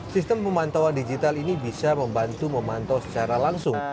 sistem pemantauan digital ini bisa membantu memantau secara langsung